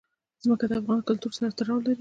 ځمکه د افغان کلتور سره تړاو لري.